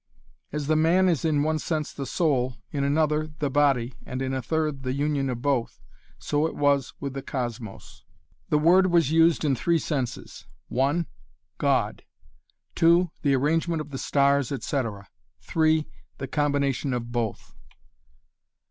As the man is in one sense the soul, in another the body, and in a third the union of both, so it was with the cosmos. The word was used in three senses (1) God (2) the arrangement of the stars, etc. (3) the combination of both.